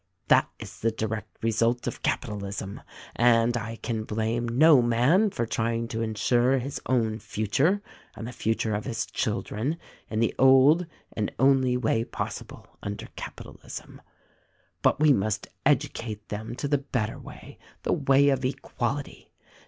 That is the direct result of capitalism, and I can blame no man for trying to insure his own future and the future of his children in the old and only way possible under capitalism. But we must educate them to the better way, the way of Equality.